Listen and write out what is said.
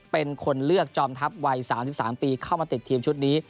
เป็นคนเลือกจอมทัพวัย๓๓ปีเข้ามาติดทีมชุดนี้